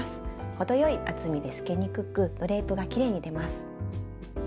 程よい厚みで透けにくくドレープがきれいに出ます。